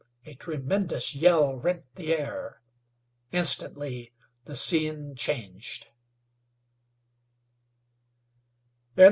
A tremendous yell rent the air. Instantly the scene changed.